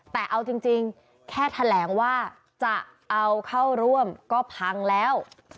แต่เอาจริงแค่แถลงว่าจะเอาเข้าร่วมก็พังแล้ว